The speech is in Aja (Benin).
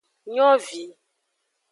Nyovi.